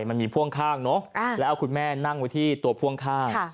มันมีพ่วงข้างเนอะแล้วเอาคุณแม่นั่งไว้ที่ตัวพ่วงข้าง